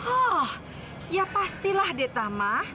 oh ya pastilah deta mak